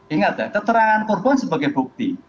ingat ya keterangan korban sebagai bukti